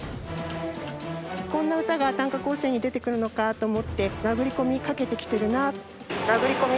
こんな歌が短歌甲子園に出てくるのかと思って殴り込みかけてきてるな。